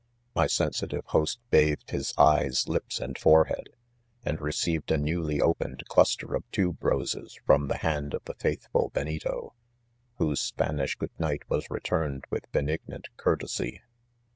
43 My sensitive host bathed his eyes, lips and fosehead, and received a newly opened cluster of tuberoses from the hand of the faithful Ben ito, whose Spanish good night was returned with benignant courtesy.